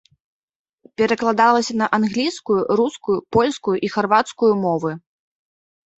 Перакладалася на англійскую, рускую, польскую і харвацкую мовы.